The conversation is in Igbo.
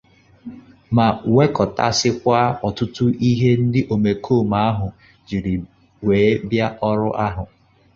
ma nwekọtasịkwa ọtụtụ ihe ndị omekoome ahụ jiri wee bịa ọrụ ahụ.